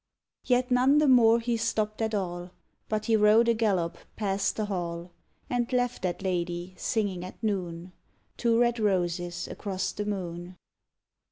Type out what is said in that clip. _ Yet none the more he stopp'd at all, But he rode a gallop past the hall; And left that lady singing at noon, _Two red roses across the moon.